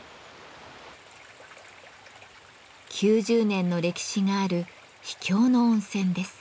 ９０年の歴史がある秘境の温泉です。